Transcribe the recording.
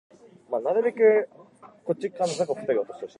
He performs the song over synthesizers.